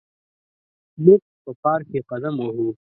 موږ په پارک کې قدم وهو.